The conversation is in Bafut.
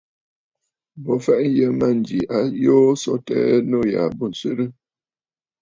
Mə fɛ̀ʼɛ nyə mânjì a yoo so tɛɛ, nû yâ ɨ bû ǹswerə!